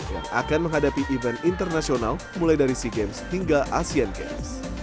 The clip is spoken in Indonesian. yang akan menghadapi event internasional mulai dari sea games hingga asean games